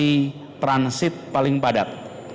ini transit paling padat